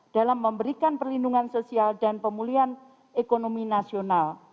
dalam memberikan perlindungan sosial dan pemulihan ekonomi nasional